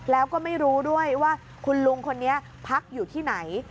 แล้วก็ไม่รู้ด้วยว่าคุณลุงคนนี้พักอยู่ที่ไหน